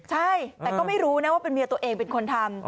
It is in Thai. ใช่แต่ก็ไม่รู้นะว่าเป็นเมียตัวเองเป็นคนทำ